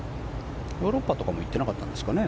ヨーロッパとかも行ってなかったんですかね。